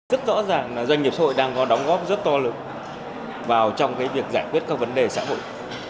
rất rõ ràng là doanh nghiệp xã hội đang có đóng góp rất to lớn vào trong cái việc giải quyết các vấn đề xã hội